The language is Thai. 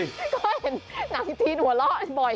ก็เห็นหนังทีหัวเราะบ่อย